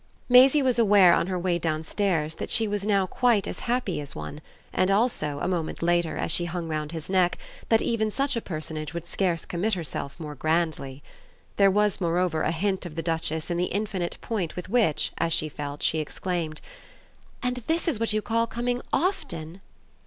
Maisie was aware on her way downstairs that she was now quite as happy as one, and also, a moment later, as she hung round his neck, that even such a personage would scarce commit herself more grandly. There was moreover a hint of the duchess in the infinite point with which, as she felt, she exclaimed: "And this is what you call coming OFTEN?"